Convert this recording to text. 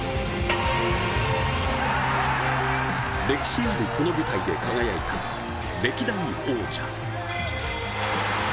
歴史あるこの舞台で輝いた歴代王者。